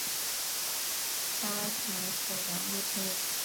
加强可燃物清理